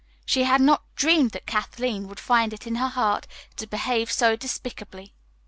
She had not dreamed that Kathleen could find it in her heart to behave so despicably.